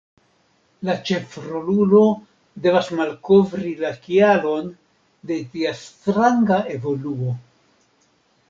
La ĉefrolulo devas malkovri la kialon de tia stranga evoluo.